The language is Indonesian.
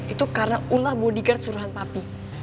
itu karena ulah bodyguard suruhan papi